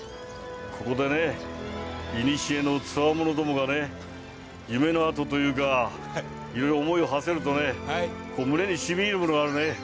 やっぱりここでね、いにしえのつわものどもがね、夢の跡というか、いろいろ思いをはせるとね、胸にしみいるものがあるね。